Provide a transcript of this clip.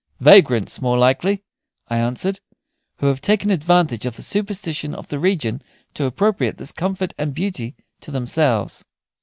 "Vagrants, more likely," I answered, "who have taken advantage of the superstition of the region to appropriate this comfort and beauty to themselves."